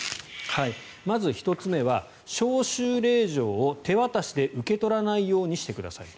まず、１つ目は招集令状を手渡しで受け取らないようにしてください。